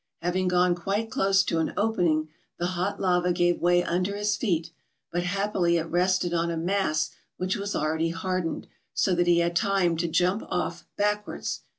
Having gone quite close to an opening, the hot lava gave way under his feet ; but happily it rested on a mass which was already hardened; so that he had time to jump off backwards.